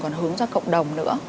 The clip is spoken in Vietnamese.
còn hướng ra cộng đồng nữa